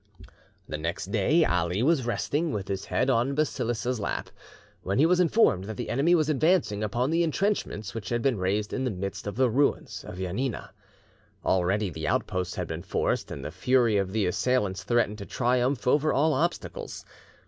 The next day Ali was resting, with his head on Basilissa's lap, when he was informed that the enemy was advancing upon the intrenchments which had been raised in the midst of the ruins of Janina. Already the outposts had been forced, and the fury of the assailants threatened to triumph over all obstacles.